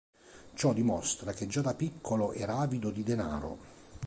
Ciò dimostra che già da piccolo era avido di denaro.